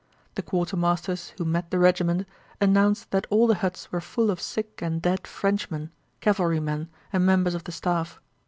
The quartermasters who met the regiment announced that all the huts were full of sick and dead Frenchmen, cavalrymen, and members of the staff.